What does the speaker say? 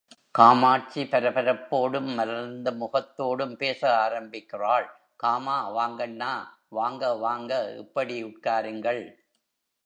காமாட்சி பரபரப்போடும் மலர்ந்த முகத்தோடும் பேச ஆரம்பிக்கிறாள் காமா வாங்கண்ணா வாங்க வாங்க, இப்படி உட்காருங்கள்.